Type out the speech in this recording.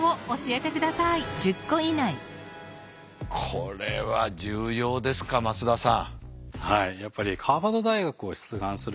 これは重要ですか松田さん。